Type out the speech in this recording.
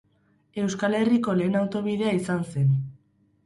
Euskal Herriko lehen autobidea izan zen.